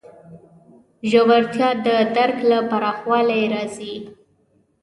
ژورتیا د درک له پراخوالي راځي.